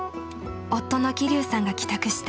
夫の希龍さんが帰宅した。